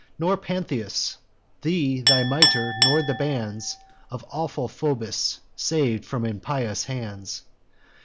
Nor, Pantheus, thee, thy mitre, nor the bands Of awful Phoebus, sav'd from impious hands.